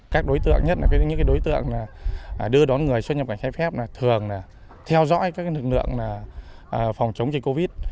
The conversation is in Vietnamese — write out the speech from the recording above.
các đối tượng nhất là những đối tượng đưa đón người xuất nhập cảnh trái phép thường theo dõi các lực lượng phòng chống dịch covid